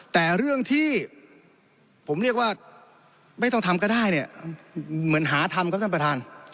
แต่เรื่องที่ผมเรียกว่าไม่ต้องทำก็ได้เนี่ยเหมือนหาทำครับท่านประธาน